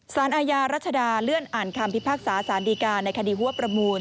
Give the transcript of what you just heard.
สารอาญารัชดาเลื่อนอ่านคำพิพากษาสารดีการในคดีหัวประมูล